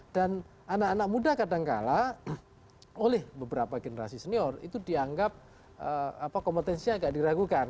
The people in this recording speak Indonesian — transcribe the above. dan anak anak muda kadangkala oleh beberapa generasi senior itu dianggap kompetensinya agak diragukan